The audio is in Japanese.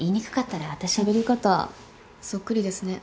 しゃべり方そっくりですね。